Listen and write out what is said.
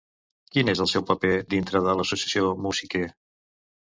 Quin és el seu paper dintre de l'Associació Mousiké?